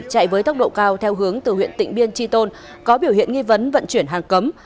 chạy với tốc độ cao theo hướng từ huyện tỉnh biên tri tôn có biểu hiện nghi vấn vận chuyển hàng cấm